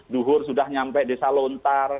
duhur sudah nyampe desa lontar